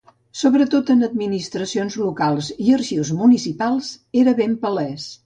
Sobretot en administracions locals i arxius municipals era ben palès.